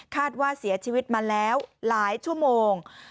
ว่าเสียชีวิตมาแล้วหลายชั่วโมง